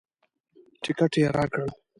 ټکټ یې راکړ.